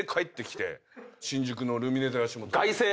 新宿の。